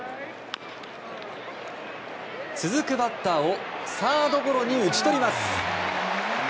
続くバッターをサードゴロに打ち取ります。